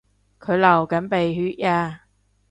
佢流緊鼻血呀